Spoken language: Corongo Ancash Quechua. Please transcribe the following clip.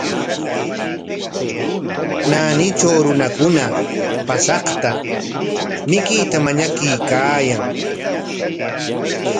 Naanitraw runakuna paasaqta mikuyta mañakuykaayan.